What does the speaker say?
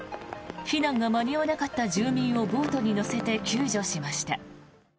避難が間に合わなかった住民をボートに乗せて救助しました。